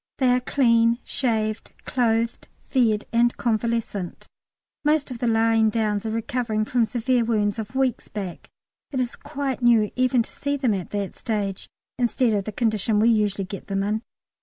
They are clean, shaved, clothed, fed, and convalescent. Most of the lying downs are recovering from severe wounds of weeks back. It is quite new even to see them at that stage, instead of the condition we usually get them in.